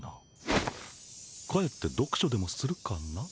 帰って読書でもするかな。